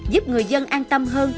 giúp người dân an tâm hơn